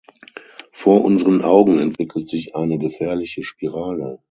Vor unseren Augen entwickelt sich eine gefährliche Spirale.